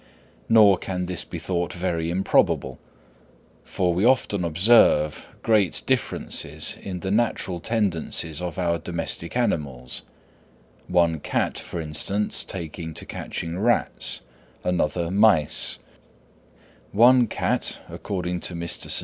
Nor can this be thought very improbable; for we often observe great differences in the natural tendencies of our domestic animals; one cat, for instance, taking to catch rats, another mice; one cat, according to Mr. St.